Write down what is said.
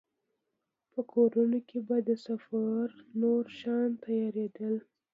په کورونو کې به د سفر نور شیان تيارېدل.